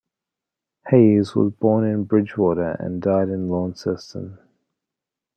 Hayes was born in Bridgewater, and died in Launceston.